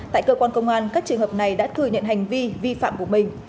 tại cơ quan công an các trường hợp này đã thừa nhận hành vi vi phạm của mình